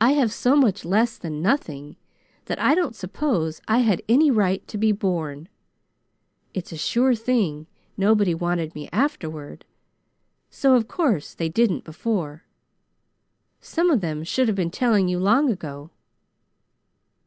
I have so much less than nothing that I don't suppose I had any right to be born. It's a sure thing nobody wanted me afterward, so of course, they didn't before. Some of them should have been telling you long ago."